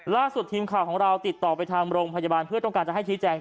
ล่าสุดทีมข่าวของเราติดต่อไปทางโรงพยาบาลเพื่อต้องการจะให้ชี้แจง